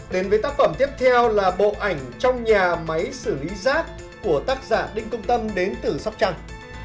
đến với tác phẩm tiếp theo là bộ ảnh trong nhà máy xử lý rác của tác giả đinh công tâm đến từ sóc trăng